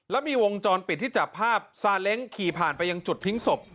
แล้วมีวงจรปิดที่จับภาพซาเล้งขี่ผ่านไปยังจุดทิ้งศพ